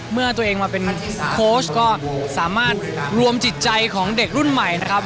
เมื่อตัวเองมาเป็นโค้ชก็สามารถรวมจิตใจของเด็กรุ่นใหม่นะครับ